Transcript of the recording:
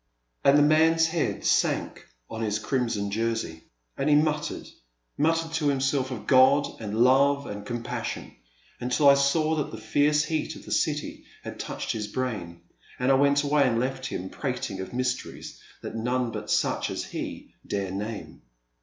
And the man's head sank on his crimson jersey, 336 A Pleasant Evening. and he muttered, muttered to himself of God and love and compassion, until I saw that the fierce heat of the city had touched his brain, and I went away and left him prating of mysteries that none but such as he dare name.